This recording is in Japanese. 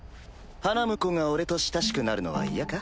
花婿が俺と親しくなるのは嫌か？